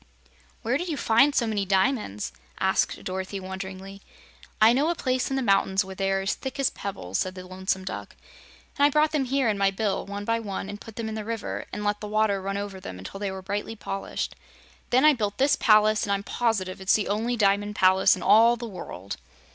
"Where did you find so many diamonds?" asked Dorothy, wonderingly. "I know a place in the mountains where they are thick as pebbles," said the Lonesome Duck, "and I brought them here in my bill, one by one and put them in the river and let the water run over them until they were brightly polished. Then I built this palace, and I'm positive it's the only Diamond Palace in all the world."